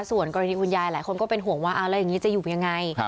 ส่วนกรณีคุณยายหลายคนก็เป็นห่วงว่าเอาแล้วอย่างนี้จะอยู่ยังไง